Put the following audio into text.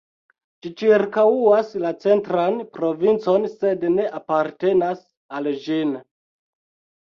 Ĝi ĉirkaŭas la Centran Provincon sed ne apartenas al ĝin.